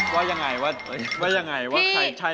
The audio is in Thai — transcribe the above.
ว่ายังไงว่าใช่ไม่ใช่